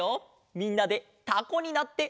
みんなでタコになっておよごう！